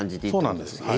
そうなんです。